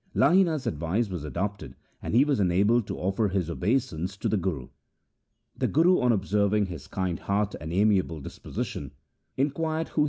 Lahina's advice was adopted and he was enabled to offer his obeisance to the Guru. The Guru, on observing his kind heart and amiable disposition, inquired who he was and 1 Asa ki War.